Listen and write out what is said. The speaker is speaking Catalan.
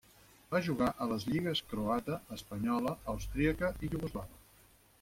Va jugar a les lligues croata, espanyola, austríaca i iugoslava.